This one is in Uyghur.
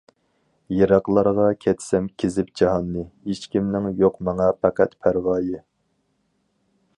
يىراقلارغا كەتسەم كېزىپ جاھاننى، ھېچكىمنىڭ يوق ماڭا پەقەت پەرۋايى.